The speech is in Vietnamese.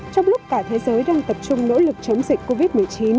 trong lúc cả thế giới đang tập trung nỗ lực chống dịch covid một mươi chín